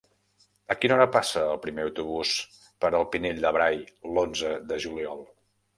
A quina hora passa el primer autobús per el Pinell de Brai l'onze de juliol?